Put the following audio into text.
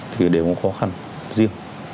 thì đều có khó khăn riêng